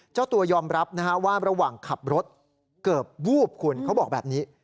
เจ้าตัวยอมรับนะฮะว่าระหว่างขับรถเกือบวูบคุณเขาบอกแบบนี้